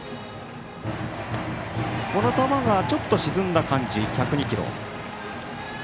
この球がちょっと沈んだ感じ１０２キロ。